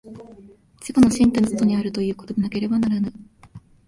自己の身体の外にあるということでなければならぬ。